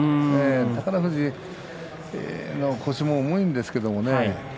宝富士の腰も重いんですけどね。